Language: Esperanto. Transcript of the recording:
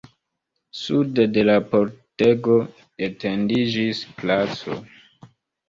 Sude de la pordego etendiĝis placo.